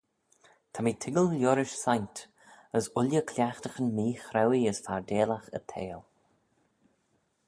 Ta mee toiggal liorish saynt, as ooilley cliaghtaghyn meechrauee as fardailagh y theihll.